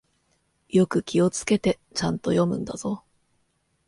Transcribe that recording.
よく気をつけて、ちゃんと読むんだぞ。